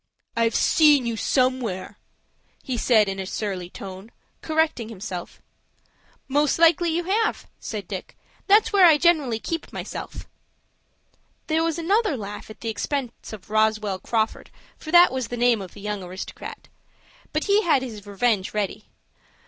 "I've seen you somewhere," he said, in a surly tone, correcting himself. "Most likely you have," said Dick. "That's where I generally keep myself." There was another laugh at the expense of Roswell Crawford, for that was the name of the young aristocrat. But he had his revenge ready.